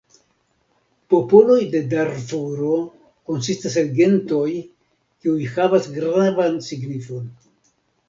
Popoloj de Darfuro konsistas el gentoj, kiuj havas gravan signifon.